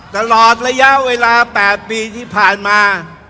ตลอดระยะเวลา๘ปีที่ผ่านมา